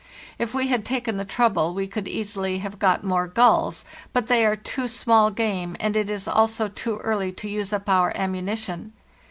If we had taken the trouble we could easily have got more gulls; but they are too small game, and it is also too early to use up our ammunition.